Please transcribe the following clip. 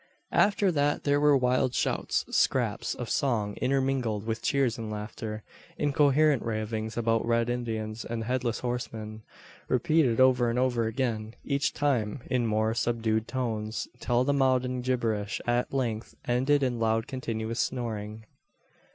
After that there were wild shouts scraps of song intermingled with cheers and laughter incoherent ravings about red Indians and headless horsemen, repeated over and over again, each time in more subdued tones, till the maudlin gibberish at length ended in loud continuous snoring!